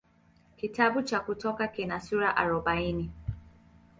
Kitabu cha Kutoka kina sura arobaini.